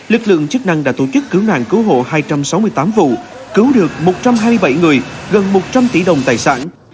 lực lượng chức năng đã tổ chức cứu nạn cứu hộ hai trăm sáu mươi tám vụ cứu được một trăm hai mươi bảy người gần một trăm linh tỷ đồng tài sản